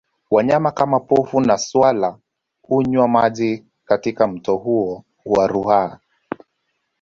Wanyama kama Pofu na swala hunywa maji katika mto huo wa Ruaha